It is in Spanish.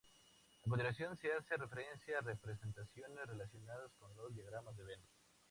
A continuación se hace referencia a representaciones relacionadas con los diagramas de Venn.